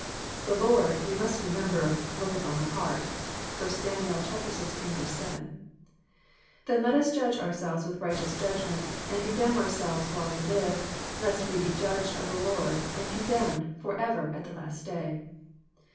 " The Lord," we must remember, " looketh on the heart." (1 Sam. xvi. 7.) Then let us judge our selves with righteous judgment, and condemn ourselves while we live, lest we be judged of the Lord and con denmed for ever at the last day.